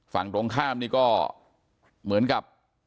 ฝั่งตรงข้ามนี่ก็เหมือนกับ